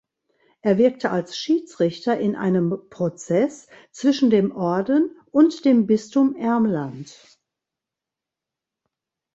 Er wirkte als Schiedsrichter in einem Prozess zwischen dem Orden und dem Bistum Ermland.